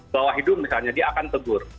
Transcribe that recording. bawah hidung misalnya dia akan tegur